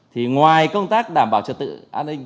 thì ngoài công tác đảm bảo trật tự an ninh